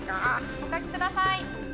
お書きください。